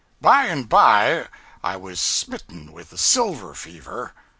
By and by I was smitten with the silver fever.